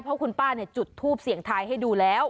เพราะคุณป้าจุดทูปเสียงทายให้ดูแล้ว